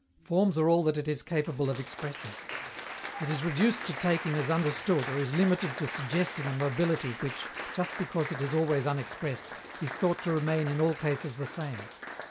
Forms are all that it is capable of expressing. It is reduced to taking as understood or is limited to suggesting a mobility which, just because it is always unexpressed, is thought to remain in all cases the same.